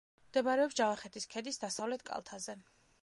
მდებარეობს ჯავახეთის ქედის დასავლეთ კალთაზე.